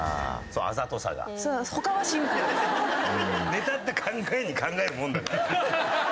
ネタって考えに考えるものだから。